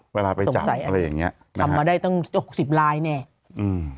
เวลาไปจับอะไรอย่างนี้นะฮะตรงใส่นั่นทำมาได้ต้อง๖๐ลายแน่อืม